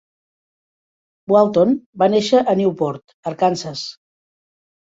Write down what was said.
Walton va néixer a Newport (Arkansas).